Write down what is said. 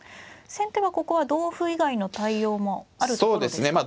先手はここは同歩以外の対応もあるところですか。